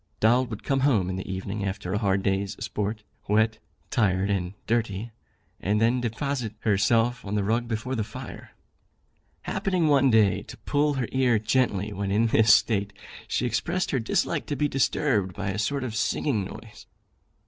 Doll would come home in the evening after a hard day's sport, wet, tired and dirty, and then deposit herself on the rug before the fire. Happening one day to pull her ear gently when in this state, she expressed her dislike to be disturbed by a sort of singing noise.